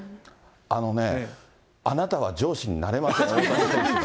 あのね、あなたは上司になれません、大谷選手の。